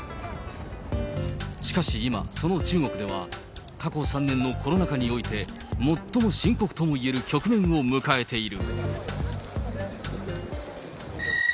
しかし今、その中国では、過去３年のコロナ禍において、最も深刻ともいえる局面を迎えている。